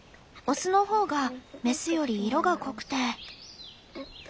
オスの方がメスより色が濃くて。